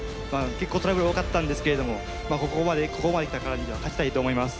結構トラブルが多かったんですけれどもここまできたからには勝ちたいと思います。